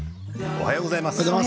おはようございます。